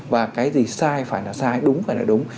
và cái gì sai phải là sai đúng phải là đúng